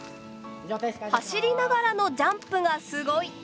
走りながらのジャンプがすごい！